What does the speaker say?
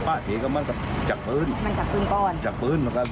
ปกติของมันมันก็เป็นป๑๗๐๐